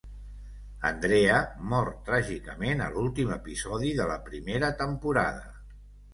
Andrea mor tràgicament a l'últim episodi de la primera temporada.